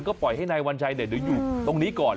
ก็ปล่อยให้นายวัญชัยเดี๋ยวอยู่ตรงนี้ก่อน